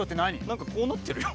なんかこうなってるよ。